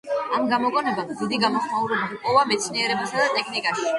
ამ გამოგონებამ დიდი გამოხმაურება ჰპოვა მეცნიერებასა და ტექნიკაში.